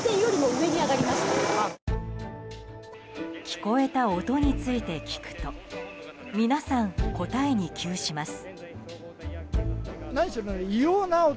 聞こえた音について聞くと皆さん、答えに窮します。